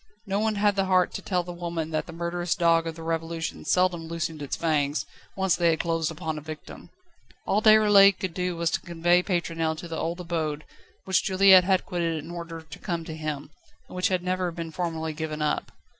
No one had the heart to tell the old woman that the murderous dog of the Revolution seldom loosened its fangs, once they had closed upon a victim. All Déroulède could do was to convey Pétronelle to the old abode, which Juliette had quitted in order to come to him, and which had never been formally given up.